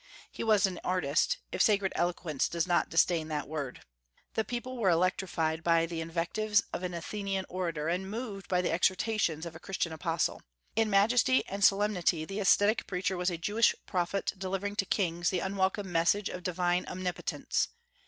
He was an artist, if sacred eloquence does not disdain that word. The people were electrified by the invectives of an Athenian orator, and moved by the exhortations of a Christian apostle. In majesty and solemnity the ascetic preacher was a Jewish prophet delivering to kings the unwelcome messages of divine Omnipotence.